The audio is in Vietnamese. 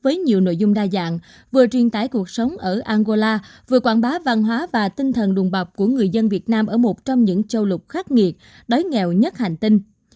với nhiều nội dung đa dạng vừa truyền tải cuộc sống ở angola vừa quảng bá văn hóa và tinh thần đùm bọc của người dân việt nam ở một trong những châu lục khắc nghiệt đói nghèo nhất hành tinh